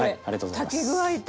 炊き具合と。